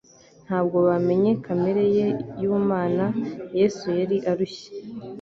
ntabwo bamenye kamere ye y'ubumana. Yesu yari arushye